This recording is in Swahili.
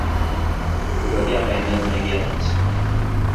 Hutokea maeneo mengi ya nchi